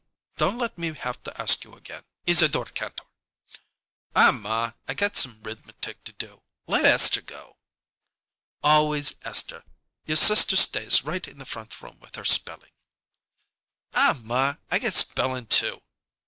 "Don't let me have to ask you again, Isadore Kantor!" "Aw, ma, I got some 'rithmetic to do. Let Esther go!" "Always Esther! Your sister stays right in the front room with her spelling." "Aw, ma, I got spelling, too."